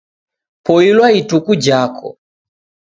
Poilwa ituku jako!